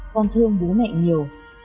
con thương bố mẹ nhiều